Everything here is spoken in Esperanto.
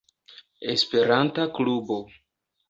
Esperanta klubo.